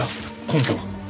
根拠は？